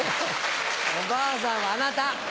おばあさんはあなた。